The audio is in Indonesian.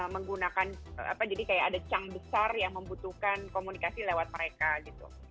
menggunakan apa jadi kayak ada cang besar yang membutuhkan komunikasi lewat mereka gitu